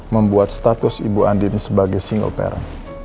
membuat status ibu andin sebagai single paren